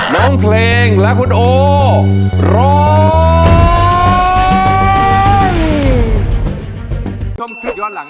น้องเพลงและคุณโอร้อง